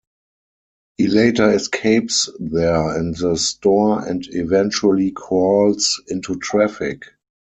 He later escapes there and the store and eventually crawls into traffic.